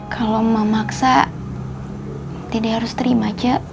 kalau emak maksa dede harus terima ce